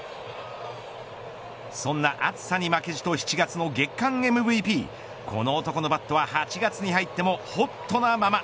そんな暑さに負けじと７月の月間ＭＶＰこの男のバットは８月に入ってもホットなまま。